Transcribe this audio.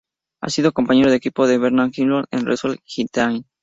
Ha sido compañero de equipo de Bernard Hinault en el Renault-Gitane.